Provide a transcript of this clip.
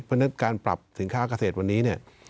เพราะฉะนั้นการปรับสินค้าเกษตรวันนี้เนี่ย